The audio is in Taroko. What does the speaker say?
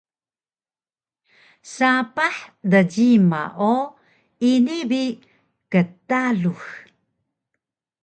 Sapah djima o ini bi ktalux